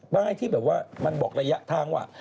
ป้ายที่แบบว่ามันบอกระยะทางว่า